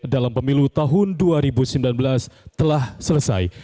dalam pemilu tahun dua ribu sembilan belas telah selesai